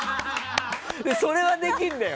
それはできるんだよ。